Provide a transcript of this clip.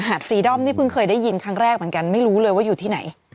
ฟรีดอมนี่เพิ่งเคยได้ยินครั้งแรกเหมือนกันไม่รู้เลยว่าอยู่ที่ไหน